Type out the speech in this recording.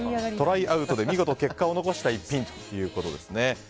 トライアウトで見事、結果を残した一品ということですね。